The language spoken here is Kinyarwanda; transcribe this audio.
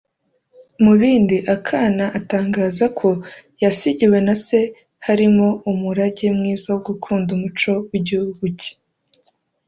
Mu bindi Akana atangaza ko yasigiwe na se harimo umurage mwiza wo gukunda umuco w’igihugu cye